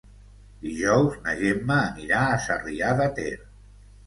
Dijous na Gemma anirà a Sarrià de Ter.